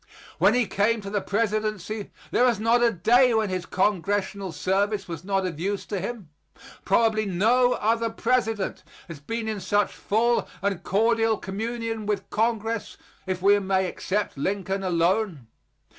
When he came to the presidency, there was not a day when his congressional service was not of use to him. Probably no other president has been in such full and cordial communion with Congress, if we may except Lincoln alone.